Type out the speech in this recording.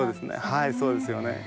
はいそうですよね。